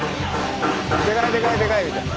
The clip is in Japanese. でかいでかいでかいみたいな。